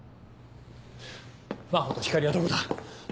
真帆と光莉はどこだ？